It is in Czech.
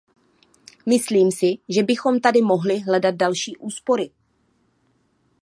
Myslím si, že bychom tady mohli hledat další úspory.